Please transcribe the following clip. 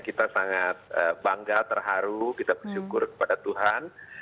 kita sangat bangga terharu kita bersyukur kepada tuhan